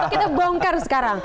kita bongkar sekarang